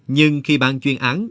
nhưng khi bạn chuyên án